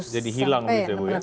jadi hilang begitu ya bu ya